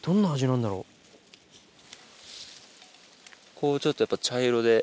こうちょっとやっぱ茶色で。